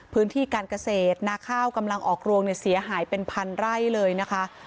พื้นที่การเกษตรนาข้าวกำลังออกรวงเนี่ยเสียหายเป็นพันไร่เลยนะคะ